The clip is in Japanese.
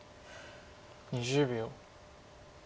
２０秒。